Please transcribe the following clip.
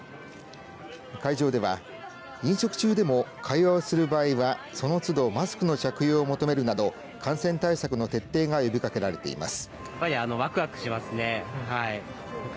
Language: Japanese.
会場では飲食中でも会話をする場合はそのつどマスクの着用を求めるなど感染対策の徹底が呼びかけられています。